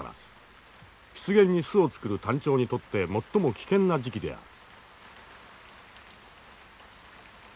湿原に巣を作るタンチョウにとって最も危険な時期である。